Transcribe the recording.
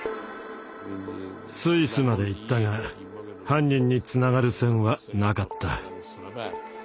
スイスまで行ったが犯人につながる線はなかった。